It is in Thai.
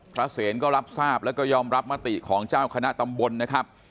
เสนก็รับทราบแล้วก็ยอมรับมติของเจ้าคณะตำบลนะครับ